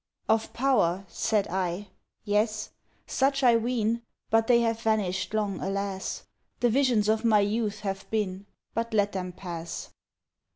Of power! said I? yes! such I ween; But they have vanish'd long, alas! The visions of my youth have been But let them pass.